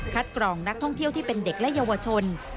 กรองนักท่องเที่ยวที่เป็นเด็กและเยาวชน